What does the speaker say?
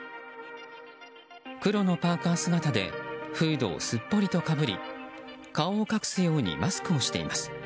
黒のパーカ姿でフードをすっぽりとかぶり顔を隠すようにマスクをしています。